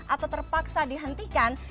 atau terpaksa dihentikan